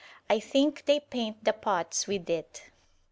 I think they paint the pots with it.